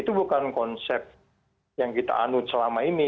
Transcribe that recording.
itu bukan konsep yang kita anut selama ini